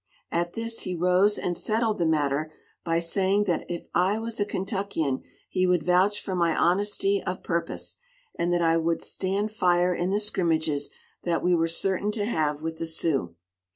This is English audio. At this he rose and settled the matter by saying that if I was a Kentuckian he would vouch for my honesty of purpose, and that I would stand fire in the scrimmages that we were certain to have with the Sioux.